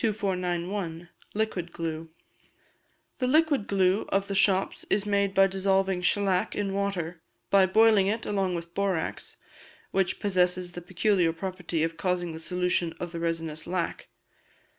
2491. Liquid Glue. The liquid glue of the shops is made by dissolving shelac in water, by boiling it along with borax, which posesses the peculiar property of causing the solution of the resinous lac.